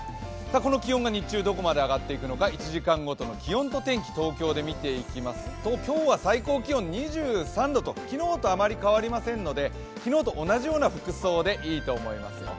この気温が日中どこまで上がっていくのか１時間ごとの気温と天気、東京で見ていきますと、今日は最高気温２３度と昨日とあまり変わりませんので、昨日と同じような服装でいいと思いますよ。